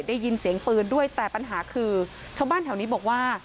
ได้ยินเสียงปืนด้วยแต่ปัญหาคือชาวบ้านแถวนี้บอกว่า